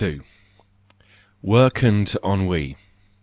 Work and Ennui